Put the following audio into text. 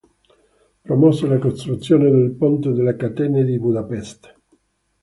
Promosse la costruzione del Ponte delle Catene di Budapest.